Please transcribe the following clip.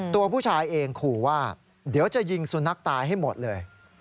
ตัวผู้ชายเองขู่ว่าเดี๋ยวจะยิงสุนัขตายให้หมดเลย